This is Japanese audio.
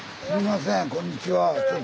こんにちは。